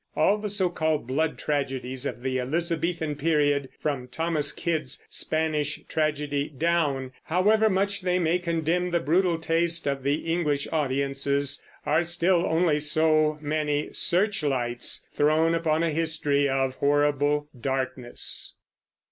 All the so called blood tragedies of the Elizabethan period, from Thomas Kyd's Spanish Tragedy down, however much they may condemn the brutal taste of the English audiences, are still only so many search lights thrown upon a history of horrible darkness.